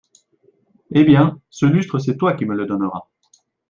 Eh ! bien, ce lustre, c’est toi qui me le donneras.